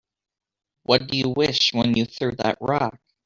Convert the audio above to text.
What'd you wish when you threw that rock?